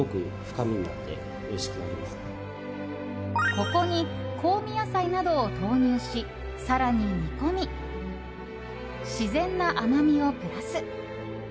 ここに香味野菜などを投入し更に煮込み、自然な甘みをプラス。